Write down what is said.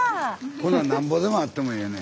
こんなんなんぼでもあってもええやね。